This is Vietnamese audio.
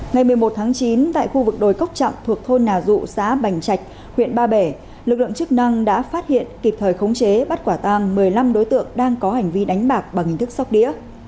ngày một mươi một tháng chín tại khu vực đồi cốc chặng thuộc thôn nà rụ xã bành trạch huyện ba bể lực lượng chức năng đã phát hiện kịp thời khống chế bắt quả tang một mươi năm đối tượng đang có hành vi đánh bạc bằng hình thức sóc đĩa